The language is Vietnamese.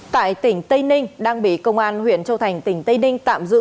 tại tỉnh tây ninh đang bị công an huyện châu thành tỉnh tây ninh tạm giữ